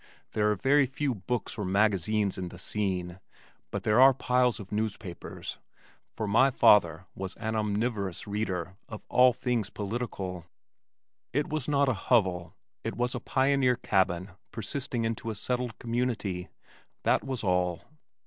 There are very few books or magazines in the scene, but there are piles of newspapers, for my father was an omnivorous reader of all things political. It was not a hovel, it was a pioneer cabin persisting into a settled community, that was all.